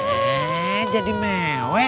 eh jadi mewek